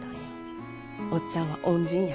おっちゃんは恩人や。